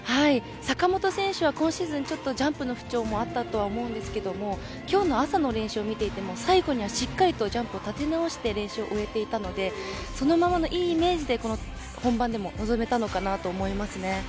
坂本選手は今シーズンジャンプの不調もあったと思うんですけど今日の朝の練習を見ていても最後にはしっかりとジャンプを立て直して練習を終えていたのでそのままのいいイメージでこの本番でも臨めたと思います。